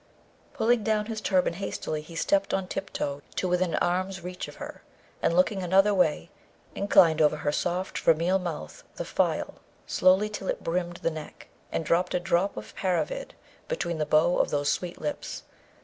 Pulling down his turban hastily, he stepped on tiptoe to within arm's reach of her, and, looking another way, inclined over her soft vermeil mouth the phial slowly till it brimmed the neck, and dropped a drop of Paravid between the bow of those sweet lips.